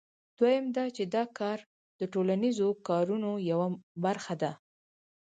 دویم دا چې دا کار د ټولنیزو کارونو یوه برخه ده